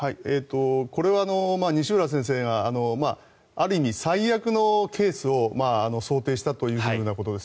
これは西浦先生がある意味、最悪のケースを想定したというふうなことです。